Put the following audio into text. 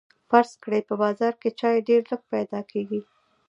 فرض کړئ په بازار کې چای ډیر لږ پیدا کیږي.